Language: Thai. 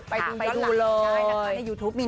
ไปดูเลย